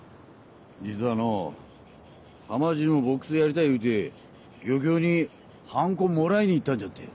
実はのう浜尻もボックスやりたい言うて漁協にハンコもらいに行ったんじゃって。